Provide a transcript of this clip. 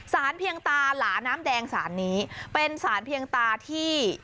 สารเพียงตาหลาน้ำแดงสารนี้เป็นสารเพียงตาที่